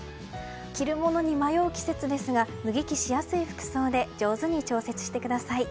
着るものに迷う季節ですが脱ぎ着しやすい服装で上手に調節してください。